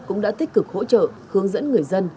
cũng đã tích cực hỗ trợ hướng dẫn người dân